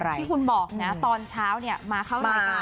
ที่คุณบอกน่ะตอนเช้าเนี่ยมาเข้าหลายคน